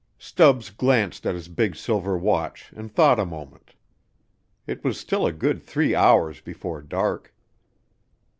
Stubbs glanced at his big silver watch and thought a moment. It was still a good three hours before dark.